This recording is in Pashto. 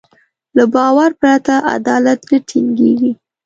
له باور پرته عدالت نه ټينګېږي.